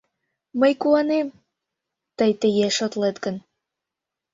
— Мый куанем, тый тыге шотлет гын.